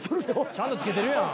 ちゃんと着けてるやん。